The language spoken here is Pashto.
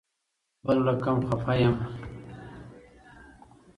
بل رقم خفه یم